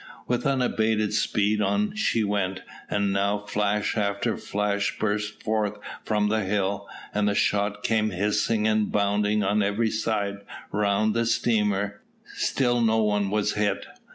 With unabated speed on she went, and now flash after flash burst forth from the hill, and the shot came hissing and bounding on every side round the steamer: still no one was hit.